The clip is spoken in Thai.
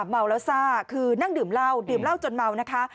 เมาแล้วซ่าคือนั่งดื่มเหล้าดื่มเหล้าจนเมานะคะ